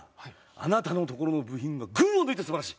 あなたのところの部品が群を抜いて素晴らしい！